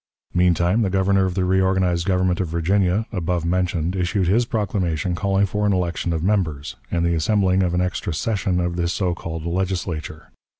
Meantime the Governor of the reorganized government of Virginia, above mentioned, issued his proclamation calling for an election of members, and the assembling of an extra session of the so called Legislature.